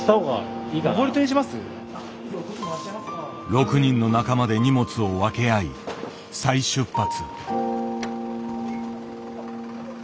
６人の仲間で荷物を分け合い再出発。